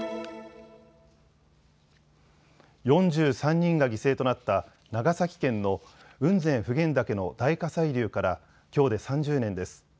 ４３人が犠牲となった長崎県の雲仙・普賢岳の大火砕流からきょうで３０年です。